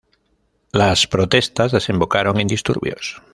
Las protestas desembocaron en disturbios.